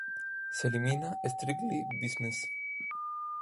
Se elimina "Strictly Business".